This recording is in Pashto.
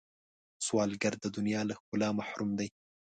سوالګر د دنیا له ښکلا محروم دی